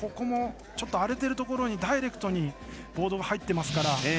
荒れているところにダイレクトにボードが入ってますから。